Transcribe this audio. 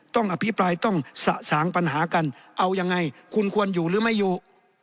อภิปรายต้องสะสางปัญหากันเอายังไงคุณควรอยู่หรือไม่อยู่